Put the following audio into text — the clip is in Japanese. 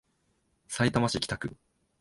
さいたま市北区